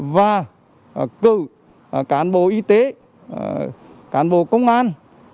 và cử cán bộ y tế cán bộ công an